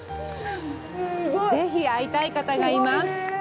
ぜひ会いたい方がいます。